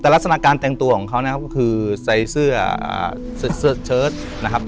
แต่ลักษณะการแต่งตัวของเขานะครับก็คือใส่เสื้อเชิดนะครับ